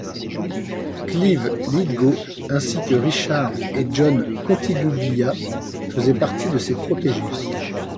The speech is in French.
Clive Lythgoe, ainsi que Richard et John Contiguglia faisaient partie de ses protégés.